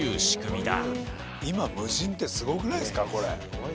今無人ってすごくないっすかこれ。